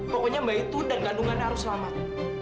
pokoknya mbak itu dan kandungannya harus selamat